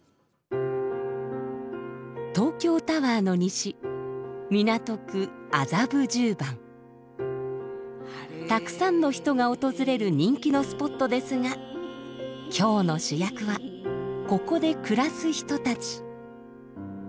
東京タワーの西たくさんの人が訪れる人気のスポットですが今日の主役はここで暮らす人たち。